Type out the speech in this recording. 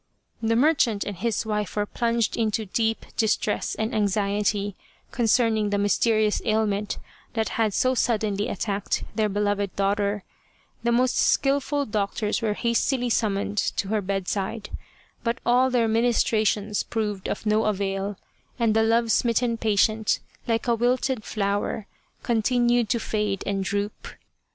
The merchant and his wife were plunged into deep distress and anxiety concerning the mys terious ailment that had so suddenly attacked their beloved daughter : the most skilful doctors were hastily summoned to her bedside, but all their ministrations proved of no avail, and the love smitten patient, like a wilted flower, continued to fade and droop.